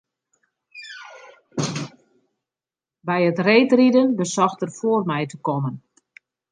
By it reedriden besocht er foar my te kommen.